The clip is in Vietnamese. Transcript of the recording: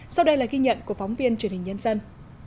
sau đây là ghi nhận của phóng viên truyền hình nhân dân